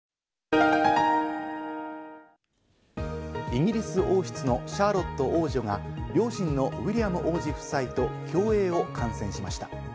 イギリス王室のシャーロット王女が両親のウィリアム王子夫妻と競泳を観戦しました。